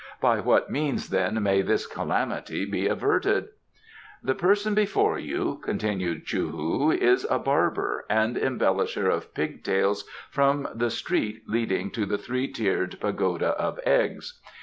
"By what means, then, may this calamity be averted?" "The person before you," continued Chou hu, "is a barber and embellisher of pig tails from the street leading to the Three tiered Pagoda of Eggs.